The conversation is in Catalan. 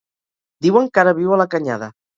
Diuen que ara viu a la Canyada.